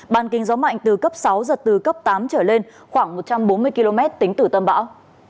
bàn kinh gió mạnh từ cấp sáu giật từ cấp tám trở lên khoảng một trăm bốn mươi km tính từ tâm bão